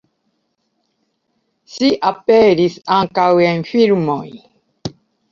Ŝi aperis ankaŭ en filmoj.